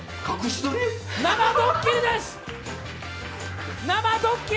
生ドッキリです！